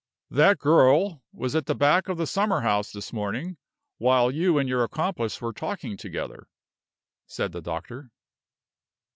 "That girl was at the back of the summer house this morning, while you and your accomplice were talking together," said the doctor.